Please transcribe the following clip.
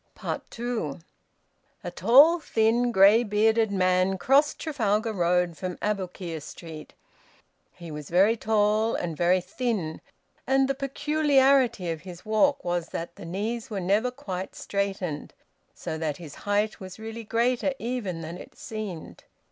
TWO. A tall, thin, grey bearded man crossed Trafalgar Road from Aboukir Street. He was very tall and very thin, and the peculiarity of his walk was that the knees were never quite straightened, so that his height was really greater even than it seemed.